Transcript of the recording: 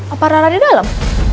apa rara di dalam